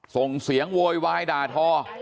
ส่งเสียงโวยวายด่าทอ